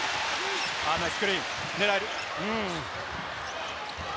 ナイススクリーン、狙える。